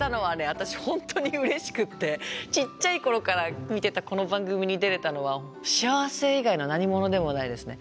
私本当にうれしくってちっちゃい頃から見てたこの番組に出れたのは幸せ以外の何物でもないですね。